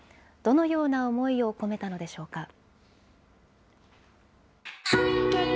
どのような思いを込めたのでしょうか。